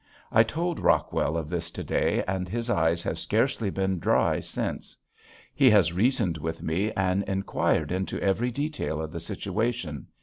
I told Rockwell of this to day and his eyes have scarcely been dry since. He has reasoned with me and inquired into every detail of the situation.